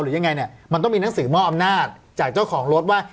ยังไงเนี่ยมันต้องมีหนังสือมอบอำนาจจากเจ้าของรถว่า